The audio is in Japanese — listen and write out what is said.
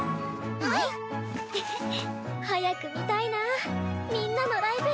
うん！早く見たいなあみんなのライブ。